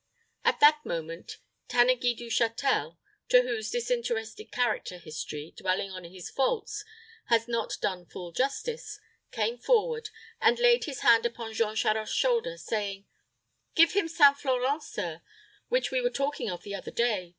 At that moment, Tanneguy du Châtel to whose disinterested character history, dwelling on his faults, has not done full justice came forward, and laid his hand upon Jean Charost's shoulder, saying, "Give him St. Florent, sir; which we were talking of the other day.